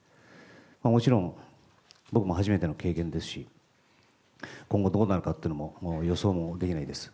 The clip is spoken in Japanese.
もちろん、僕も初めての経験ですし、今後、どうなるかっていうのも予想もできないです。